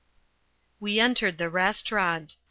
We entered the restaurant.